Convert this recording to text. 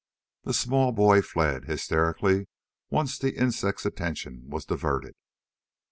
The small boy fled, hysterically, once the insect's attention was diverted.